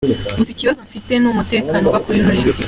Gusa ikibazo mfite ni umutekano uva ku rurimi.